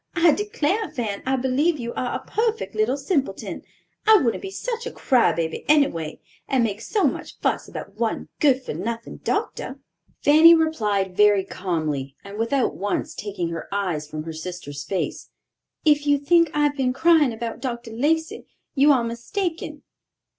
I declare, Fan, I believe you are a perfect little simpleton. I wouldn't be such a cry baby, anyway; and make so much fuss about one good for nothing doctor." Fanny replied very calmly, and without once taking her eyes from her sister's face, "If you think I have been crying about Dr. Lacey, you are mistaken."